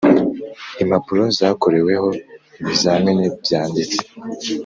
impapuro zakoreweho ibizamini byanditswe